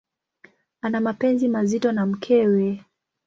Ana mapenzi mazito na mkewe.